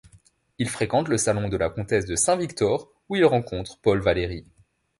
Il fréquente le salon de la comtesse de Saint-Victor ou il rencontre Paul Valery.